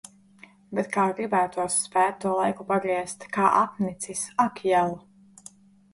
Bet kā gribētos spēt to laiku pagriezt! Kā apnicis! Ak jel.